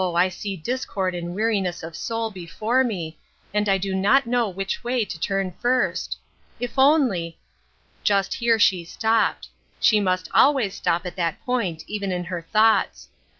I see discord and weariness of soul before me, and I do not know which way to turn first. If only" — Just here she stopped ; she must always stop at that point, even in her thoughts.